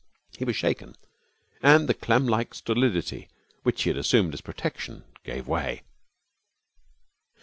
He was shaken, and the clamlike stolidity which he had assumed as protection gave way.